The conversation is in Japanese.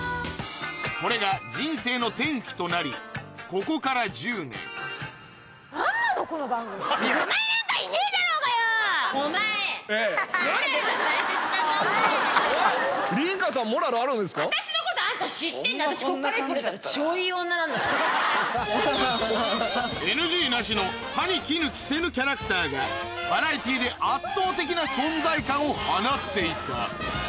これが人生の転機となりここから１０年ＮＧなしの歯に衣着せぬキャラクターがバラエティーで圧倒的な存在感を放っていた